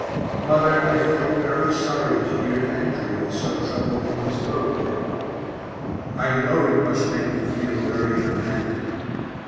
Mother, I feel very sorry to hear Andrew is so troubled in his throat yet. I know it must make you feel very unhappy.